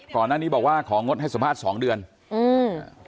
ก่อนหน้านี้บอกว่าของงดให้สัมภาษณ์สองเดือนอืม